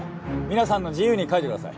皆さんの自由に書いてください。